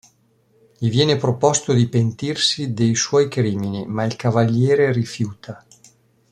Gli viene proposto di pentirsi dei suoi crimini, ma il Cavaliere rifiuta.